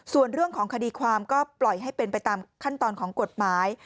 ส่วนเรื่องของคดีความก็ปล่อยให้เป็นไปตามขั้นตอนของกฎหมาย